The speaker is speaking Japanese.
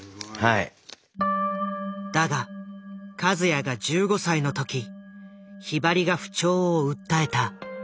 だが和也が１５歳の時ひばりが不調を訴えた。